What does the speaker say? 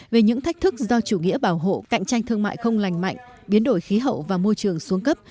về những thách thức do chủ nghĩa bảo hộ cạnh tranh thương mại không lành mạnh biến đổi khí hậu và môi trường xuống cấp